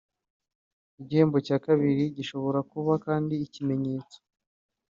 Igihembo cya kabiri gishobora kuba kandi ikimenyetso